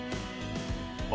あ？